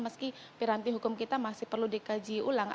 meski piranti hukum kita masih perlu dikaji ulang